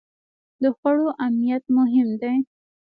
د خوړو امنیت مهم دی.